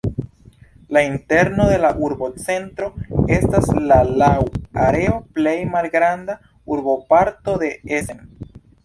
La interno de la urbocentro estas la laŭ areo plej malgranda urboparto de Essen.